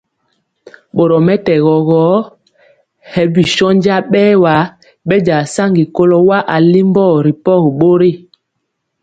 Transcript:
Borɔ mɛtɛgɔ gɔ, ŋɛɛ bi shónja bɛɛwa bɛnja saŋgi kɔlo wa alimbɔ ripɔgi bori.